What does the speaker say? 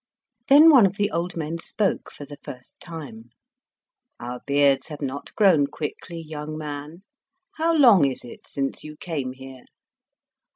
Then one of the old men spoke, for the first time. "Our beards have not grown quickly, young man. How long is it since you came here?"